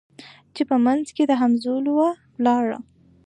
چي په منځ کي د همزولو وه ولاړه